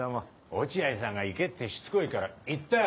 落合さんが行けってしつこいから行ったよ。